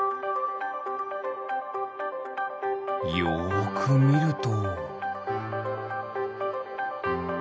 よくみると。